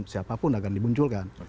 siapapun akan dimunculkan